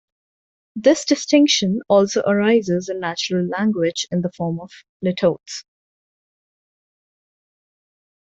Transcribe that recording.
This distinction also arises in natural language in the form of litotes.